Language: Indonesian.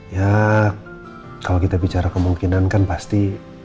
ya kalau kita bicara kemungkinan kan pasti